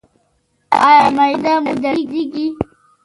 ایا معده مو دردیږي؟